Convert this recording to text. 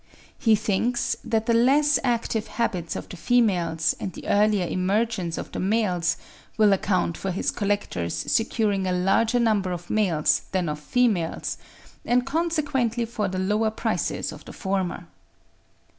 He thinks that the less active habits of the females and the earlier emergence of the males will account for his collectors securing a larger number of males than of females, and consequently for the lower prices of the former.